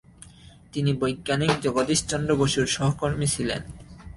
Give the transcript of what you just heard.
তিনি বৈজ্ঞানিক জগদীশ চন্দ্র বসুর সহকর্মী ছিলেন।